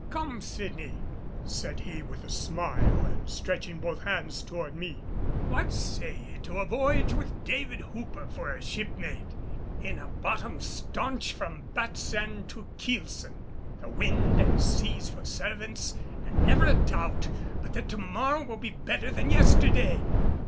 "Come, Sydney," said he with a smile, and stretching both hands toward me, "what say ye to a voyage with David Hooper for a shipmate, in a bottom staunch from batts end to keelson, the wind and seas for servants, and never a doubt but that to morrow will be better than yesterday!